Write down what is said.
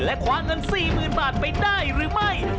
และคว้าเงิน๔๐๐๐บาทไปได้หรือไม่